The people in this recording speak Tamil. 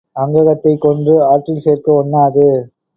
அங்கத்தைக் கொன்று ஆற்றில் சேர்க்க ஒண்ணாது.